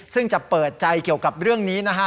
ซึ่งจะเปิดใจเกี่ยวกับเรื่องนี้นะฮะ